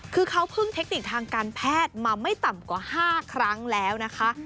คือเขาเพิ่งเทคนิคทางการแพทย์มาไม่ต่ำกว่า๕ครั้งแล้วนะคะ